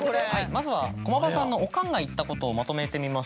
まずは駒場さんのおかんが言ったことをまとめてみましょう。